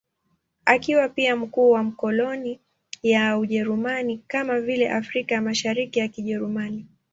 Akiwa pia mkuu wa makoloni ya Ujerumani, kama vile Afrika ya Mashariki ya Kijerumani.